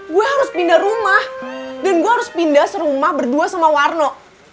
gue harus pindah rumah dan gue harus pindah serumah berdua sama warno